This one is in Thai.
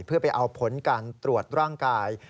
เพื่อไปเอาผลการตรวจร่างกาย